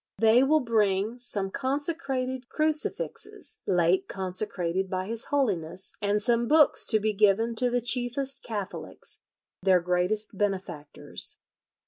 They will bring some consecrated crucifixes, late consecrated by his Holiness, and some books to be given to the chiefest Catholics, their greatest benefactors."